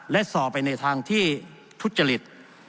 และส่อไปในทางที่ทุจริต